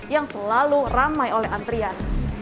yang selalu ramai oleh antrian